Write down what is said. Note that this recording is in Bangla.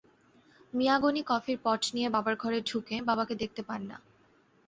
মিয়া গনি কফির পট নিয়ে বাবার ঘরে ঢুকে বাবাকে দেখতে পান না।